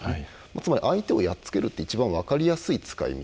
つまり相手をやっつけるという一番分かりやすい使い道。